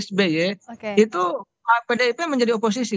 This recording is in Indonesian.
sby itu pdip menjadi oposisi